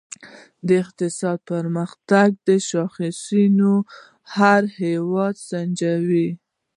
د اقتصادي پرمختیا شاخصونه هر هېواد سنجوي.